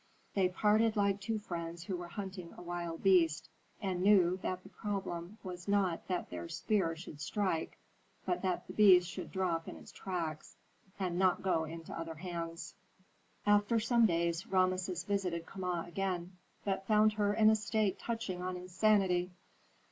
They parted like two friends who were hunting a wild beast, and knew that the problem was not that their spear should strike, but that the beast should drop in its tracks and not go into other hands. After some days Rameses visited Kama again, but found her in a state touching on insanity.